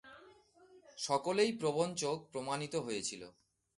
সকলেই প্রবঞ্চক প্রমাণিত হয়েছিল।